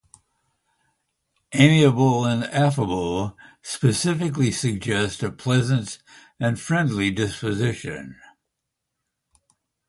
"Amiable" and "affable" specifically suggest a pleasant and friendly disposition.